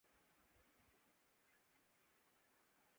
دیمک کی طرح کھا گئی جسے دستک کی تمنا